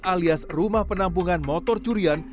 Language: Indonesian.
alias rumah penampungan motor curian